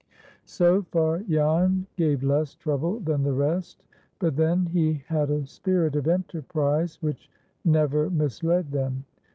So far, Jan gave less trouble than the rest. But then he had a spirit of enterprise which never misled them.